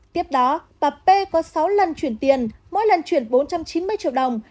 tiếp đó bà p có sáu lần chuyển tiền mỗi lần chuyển bốn trăm chín mươi triệu đồng